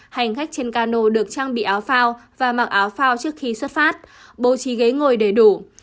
hành khách trên cano được trang bị áo phao và mặc áo phao trước khi xuất phát bố trí ghế ngồi đầy đủ